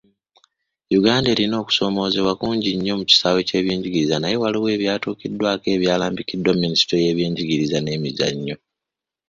Uganda erina okusomoozebwa kungi nnyo mu kisaawe ky'ebyenjigiriza, naye waliwo ebyatuukiddwako ebyalambikiddwa Minisita w'ebyenjigiriza n'emizannyo.